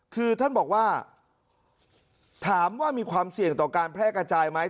คือท่านบอกว่าถามว่ามีความเสี่ยงต่อการแพร่กระจายไหม